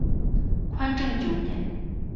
宽政九年。